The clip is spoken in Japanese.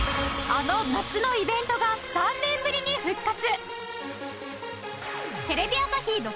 あの夏のイベントが３年ぶりに復活